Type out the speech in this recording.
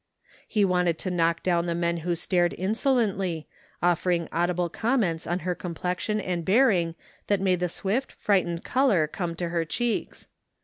He wanted to knock down the men who stared in solently, offering audible comments on her complexion and bearing that made the swift, frightened color come to her cheeks.